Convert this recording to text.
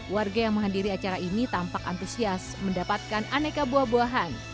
warga yang menghadiri acara ini tampak antusias mendapatkan aneka buah buahan